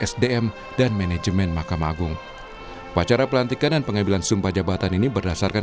sdm dan manajemen mahkamah agung upacara pelantikan dan pengambilan sumpah jabatan ini berdasarkan